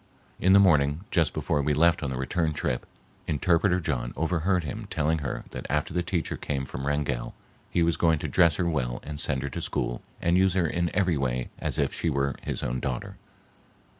In the morning, just before we left on the return trip, interpreter John overheard him telling her that after the teacher came from Wrangell, he was going to dress her well and send her to school and use her in every way as if she were his own daughter.